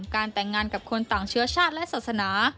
การแต่งงานกับคนต่างเชื้อชาติและศาสนา